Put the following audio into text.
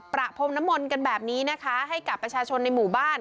ประพรมน้ำมนต์กันแบบนี้นะคะให้กับประชาชนในหมู่บ้าน